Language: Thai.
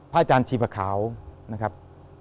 พระอาจารย์ชีวข่าวนะครับ